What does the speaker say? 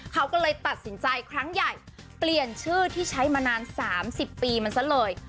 เขาก็เลยตัดสินใจครั้งใหญ่เปลี่ยนชื่อที่ใช้มานาน๓๐ปีมันซะเลย